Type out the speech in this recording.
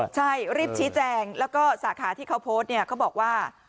ใช่รีบชี้แจงแล้วก็สาขาที่เขาโพสต์เนี่ยเขาบอกว่า